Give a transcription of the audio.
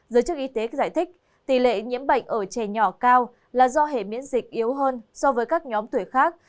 giới chức y tế giải thích tỷ lệ nhiễm bệnh ở trẻ nhỏ cao là do hệ miễn dịch yếu hơn so với các nhóm tuổi khác